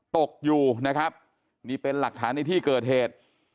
ตกอยู่นะครับนี่เป็นหลักฐานในที่เกิดเหตุ